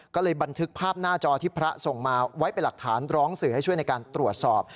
ก็เลยบันทึกภาพหน้าจอที่พระส่งมาไว้เป็นหลักฐานร้องสื่อให้ช่วยในการตรวจสอบ